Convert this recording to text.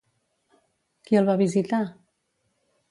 Qui el va visitar?